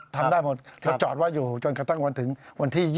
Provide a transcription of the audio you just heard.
ทำได้หมดแล้วจอดว่าอยู่จนกระทั่งวันถึงวันที่๒๒